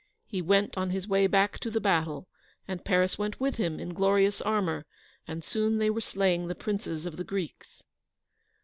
He went on his way back to the battle, and Paris went with him, in glorious armour, and soon they were slaying the princes of the Greeks.